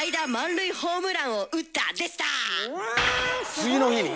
次の日に？